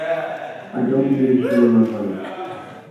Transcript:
I don't believe in sharing my money.